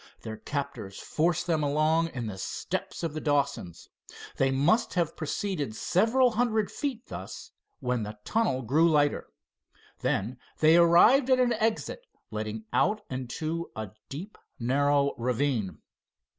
Their captors forced them along in the steps of the Dawsons. They must have proceeded several hundred feet thus, when the tunnel grew lighter. Then they arrived at an exit letting out into a deep, narrow ravine.